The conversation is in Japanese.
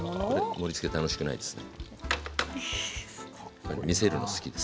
盛りつけ楽しくないですね